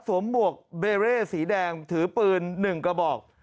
สวมหมวกเบเรสีแดงถือปืนหนึ่งกระบอก